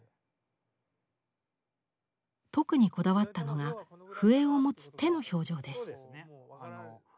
特にこだわったのが笛を持つ手の表情です。